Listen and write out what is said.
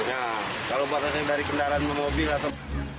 ya kalau buat dari kendaraan mobil atau